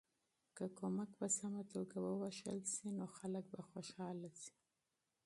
که مرستې په سمه توګه وویشل سي نو خلک خوشحالیږي.